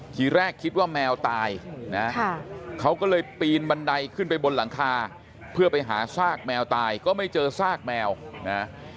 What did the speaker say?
ทีแรกคิดว่าแมวตายนะเขาก็เลยปีนบันไดขึ้นไปบนหลังคาเพื่อไปหาซากแมวตายก็ไม่เจอซากแมวนะ